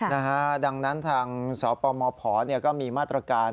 นะฮะดังนั้นทางสปมพก็มีมาตรการ